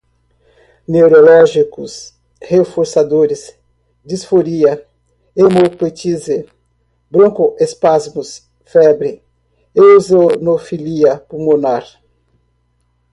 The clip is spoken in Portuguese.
neurológicos, reforçadores, disforia, hemoptise, broncoespasmos, febre, eosinofilia pulmonar